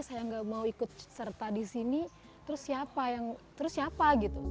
saya nggak mau ikut serta di sini terus siapa